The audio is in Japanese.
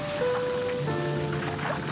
あっ。